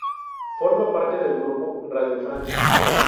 Forma parte del grupo "Radio France".